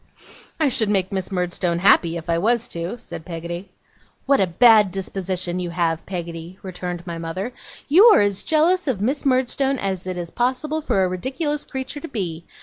'I should make Miss Murdstone happy, if I was to,' said Peggotty. 'What a bad disposition you have, Peggotty!' returned my mother. 'You are as jealous of Miss Murdstone as it is possible for a ridiculous creature to be.